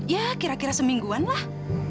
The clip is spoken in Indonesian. ya kira kira semingguan lah